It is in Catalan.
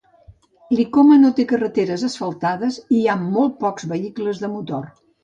Likoma no té carreteres asfaltades i hi ha molt pocs vehicles de motor.